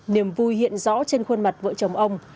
niềm vui hiện rõ trên khuôn mặt vợ chồng ông